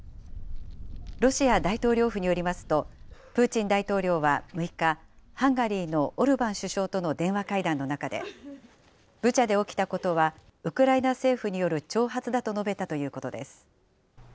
ロシア大統領府によりますと、プーチン大統領は６日、ハンガリーのオルバン首相との電話会談の中で、ブチャで起きたことは、ウクライナ政府による挑発だと述べたということです。